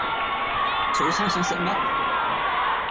早餐想食乜？